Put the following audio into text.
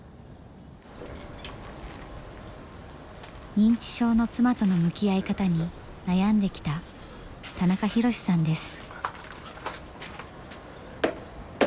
認知症の妻との向き合い方に悩んできた田中博さんです。